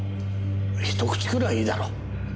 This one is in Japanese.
一口ぐらいいいだろう。